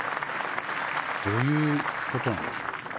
どういうことなんでしょう。